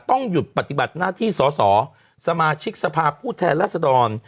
ต้องหยุดปฏิบัติหน้าที่สอสอสมาชิกสภาพผู้แทนรัศดร